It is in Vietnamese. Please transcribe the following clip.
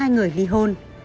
hai người ly hôn